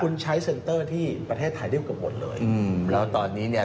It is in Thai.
คุณใช้เซ็นเตอร์ที่ประเทศไทยได้เกือบหมดเลยอืมแล้วตอนนี้เนี่ย